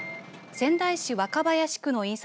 仙台市若林区の印刷